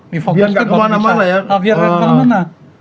biar nggak kemana mana ya